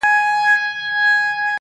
دړي وړي زړه مي رغومه نور ,